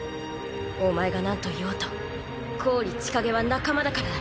お前がなんと言おうと郡千景は仲間だからだ。